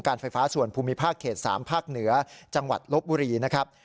ไฟฟ้าส่วนภูมิภาคเขต๓ภาคเหนือจังหวัดลบบุรีนะครับ